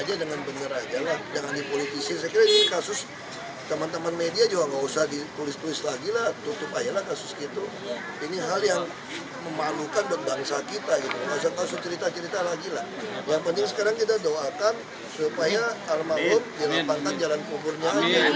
yang penting sekarang kita doakan supaya almarhum dilampangkan jalan kuburnya